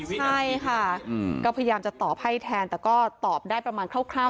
ใช่ค่ะก็พยายามจะตอบให้แทนแต่ก็ตอบได้ประมาณคร่าว